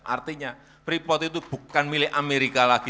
artinya freeport itu bukan milik amerika lagi